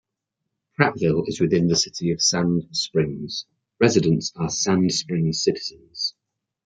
Prattville is within the City of Sand Springs; residents are Sand Springs citizens.